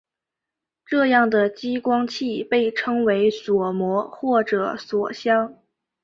这样的激光器被称为锁模或者锁相。